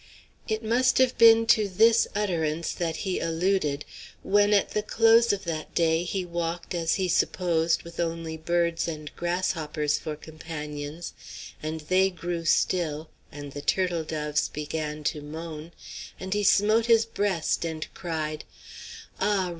It must have been to this utterance that he alluded when at the close of that day he walked, as he supposed, with only birds and grasshoppers for companions, and they grew still, and the turtle doves began to moan, and he smote his breast and cried: "Ah!